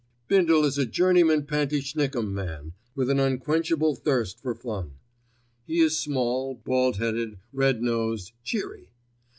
Bindle is a journeyman pantechnicon man, with an unquenchable thirst for fun. He is small, bald headed, red nosed, cheery.